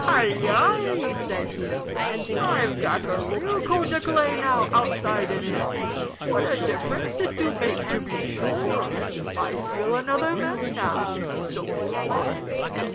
"Hi, yi!" said he. "I've got a real coat o' clay now outside and in what a difference it do make, to be sure. I feel another man now so smart."